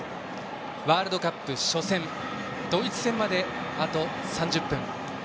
ワールドカップ初戦ドイツ戦まで、あと３０分。